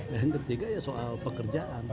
dan yang ketiga ya soal pekerjaan